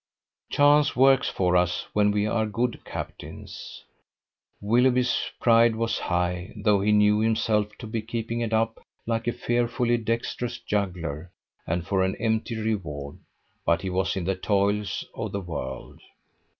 Chance works for us when we are good captains. Willoughby's pride was high, though he knew himself to be keeping it up like a fearfully dexterous juggler, and for an empty reward: but he was in the toils of the world.